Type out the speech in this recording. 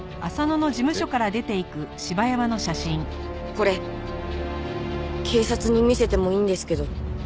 これ警察に見せてもいいんですけど。